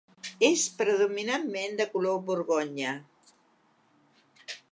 És predominantment de color borgonya.